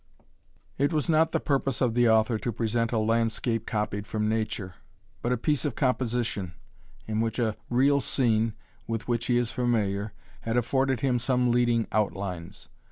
It was not the purpose of the author to present a landscape copied from nature, but a piece of composition, in which a real scene, with which he is familiar, had afforded him some leading outlines.